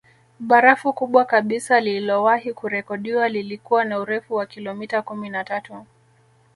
Barafu kubwa kabisa lililowahi kurekodiwa lilikuwa na urefu wa kilometa kumi na tatu